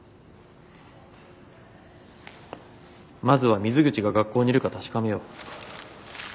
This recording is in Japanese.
まずは水口が学校にいるか確かめよう。